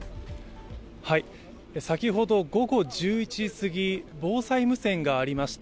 先ほど午後１１時すぎ、防災無線がありました。